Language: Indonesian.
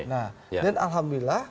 nah dan alhamdulillah